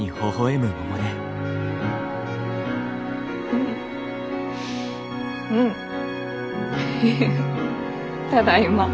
うんうんただいま。